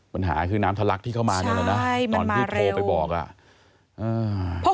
ปัญหาคือน้ำทะลักที่เข้ามาได้แล้วนะตอนที่โทรไปบอกอ่าใช่มันมาเร็ว